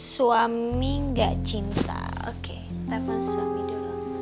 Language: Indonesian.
suami nggak cinta oke telepon suami dulu